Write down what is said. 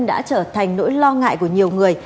đã trở thành nỗi lo ngại của nhiều người